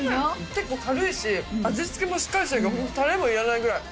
結構軽いし味付けもしっかりしてるからタレもいらないぐらい。